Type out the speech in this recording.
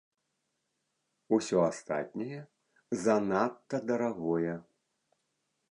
Усё астатняе занадта дарагое.